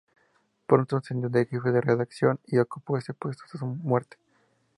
Pronto ascendió a jefe de redacción y ocupó ese puesto hasta su muerte.